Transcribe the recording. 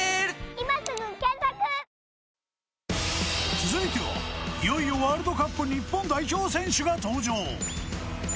続いてはいよいよワールドカップ日本代表選手が登場。